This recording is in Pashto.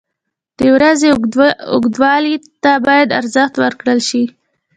• د ورځې اوږدوالي ته باید ارزښت ورکړل شي.